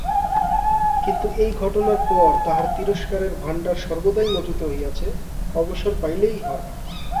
কিন্তু এই ঘটনার পর তাঁহার তিরস্কারের ভাণ্ডার সর্বদাই মজুত রহিয়াছে, অবসর পাইলেই হয়।